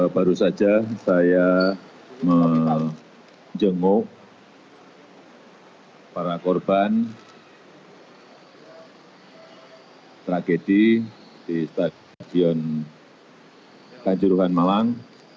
baru saja saya menjenguk para korban tragedi di stadion kanjuruhan malang